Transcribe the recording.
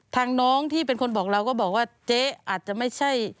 ทางน้องที่เป็นคนบอกเราก็บอกว่าเจ๊อาจจะไม่ใช่